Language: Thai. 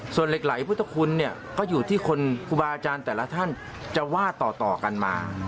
ส่วนเหล็กไหลพุทธคุณเนี่ยก็อยู่ที่คนครูบาอาจารย์แต่ละท่านจะว่าต่อกันมา